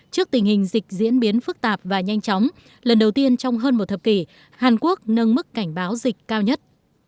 trước tình hình dịch diễn biến phức tạp và nhanh chóng lần đầu tiên trong hơn một thập kỷ hàn quốc nâng mức cảnh báo dịch cao nhất